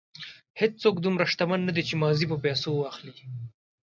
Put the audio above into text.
هېڅوک دومره شتمن نه دی چې ماضي په پیسو واخلي.